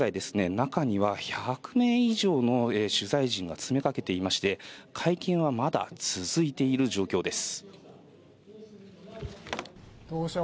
中には１００人以上の取材陣が詰めかけていまして会見はまだ続いている状況です